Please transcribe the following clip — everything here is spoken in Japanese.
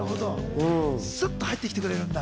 スッと入ってきてくれるんだ。